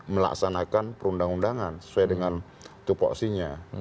melaksanakan perundang undangan sesuai dengan tupoksinya